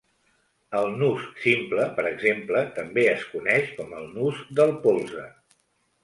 El nus simple, per exemple, també es coneix com el nus del polze.